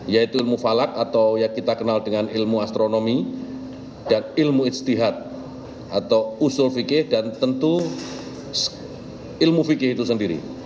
yaitu ilmu falak atau yang kita kenal dengan ilmu astronomi dan ilmu istihad atau usul fikih dan tentu ilmu fikih itu sendiri